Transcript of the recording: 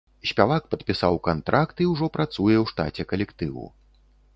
Спявак падпісаў кантракт і ўжо працуе ў штаце калектыву.